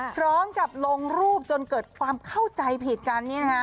พร้อมกับลงรูปจนเกิดความเข้าใจผิดกัน